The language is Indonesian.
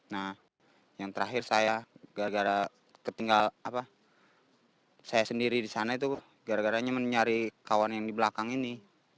nah yang terakhir saya gara gara ketinggal saya sendiri di sana itu gara garanya mencari kawan yang di belakang ini